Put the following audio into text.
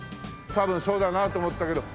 多分そうだなと思ったけど。